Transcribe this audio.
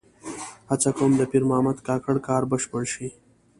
هڅه کوم د پیر محمد کاکړ کار بشپړ شي.